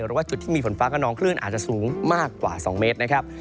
หรือว่าจุดที่มีฝนฟ้ากระนองคลื่นอาจจะสูงมากกว่า๒เมตรนะครับ